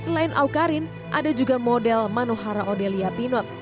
selain awkarin ada juga model manuhara odelia pinot